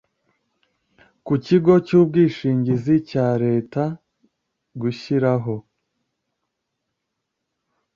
Ku kigo cy ubwishingizi cya leta gushyiraho